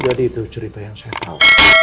jadi itu cerita yang saya tahu